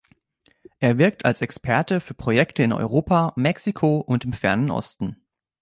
Er wirkt als Experte für Projekte in Europa, Mexiko und im Fernen Osten.